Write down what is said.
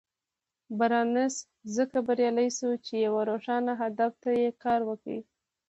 بارنس ځکه بريالی شو چې يوه روښانه هدف ته يې کار وکړ.